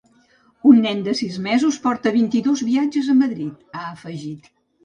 Un nen de sis mesos porta vint-i-dos viatges a Madrid, ha afegit.